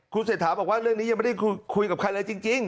คุณเศรษฐาบอกว่าเรื่องนี้ยังไม่ได้คุยกับใครเลยจริง